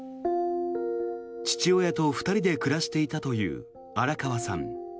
父親と２人で暮らしていたという荒川さん。